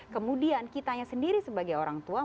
kemudian kitanya sendiri sebagai orang tua